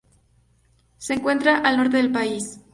Se encuentra al norte del país.